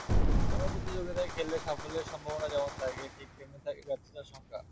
কোনো প্রতিযোগিতায় খেললে সাফল্যের সম্ভাবনা যেমন থাকে, ঠিক তেমনি থাকে ব্যর্থতার শঙ্কা।